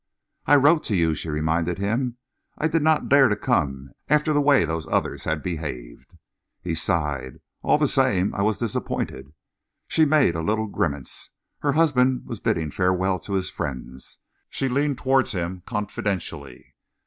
"I wrote to you," she reminded him. "I did not dare to come after the way those others had behaved." He sighed. "All the same I was disappointed." She made a little grimace. Her husband was bidding farewell to his friends. She leaned towards him confidentially.